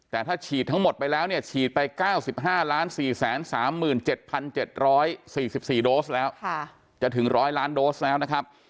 แต่ถ้าฉีดทั้งหมดไปแล้วเนี่ยฉีดไป๙๕๔๓๗๗๔๔โดสแล้วจะถึง๑๐๐ล้านโดสแล้วนะครับ